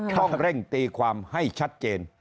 ต้องเร่งตีความให้ชัดเจน